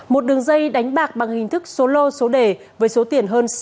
một đường dây đánh bạc bằng hình thức số lô số đề với số tiền hơn